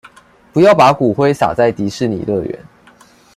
不要把骨灰灑在迪士尼樂園